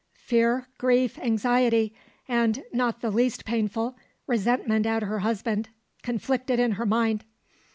Fear, grief, anxiety, and, not the least painful, resentment at her husband conflicted in her mind.